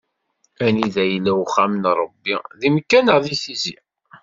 Anida yella uxxam n Ṛebbi, di Mekka neɣ Tizi?